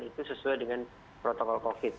itu sesuai dengan protokol covid